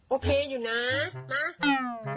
โอเคอยู่นะนะ